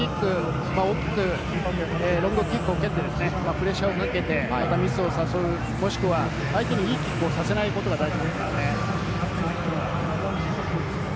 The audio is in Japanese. ここでキック、大きくロングキックを蹴ってプレッシャーをかけて、またミスを誘う、もしくは相手にいいキックをさせないことが大事ですね。